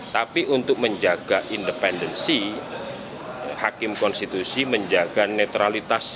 tapi untuk menjaga independensi hakim konstitusi menjaga netralitas